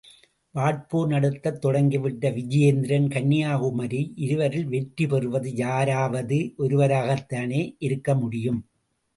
வாட்போர் நடத்தத் தொடங்கிவிட்ட விஜயேந்திரன்–கன்யாகுமரி இருவரில் வெற்றி பெறுவது யாராவது ஒருவராகத்தானே இருக்கமுடியும்?